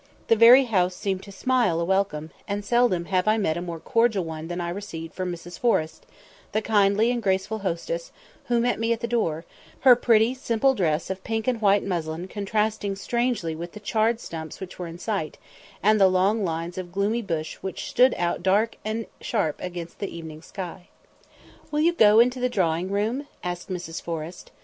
The very house seemed to smile a welcome; and seldom have I met a more cordial one than I received from Mrs. Forrest, the kindly and graceful hostess, who met me at the door, her pretty simple dress of pink and white muslin contrasting strangely with the charred stumps which were in sight, and the long lines of gloomy bush which stood out dark and sharp against the evening sky. "Will you go into the drawing room?" asked Mrs. Forrest.